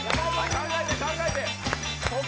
考えて、考えて。